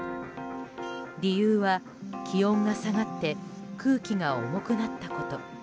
理由は、気温が下がって空気が重くなったこと。